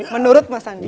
menurut mas andi